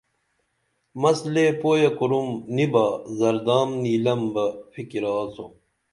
مس لے پُویہ کُرُم نی با زردام نِلم بہ فِکِرہ آڅو